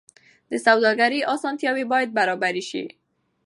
د سوداګرۍ اسانتیاوې باید برابرې شي.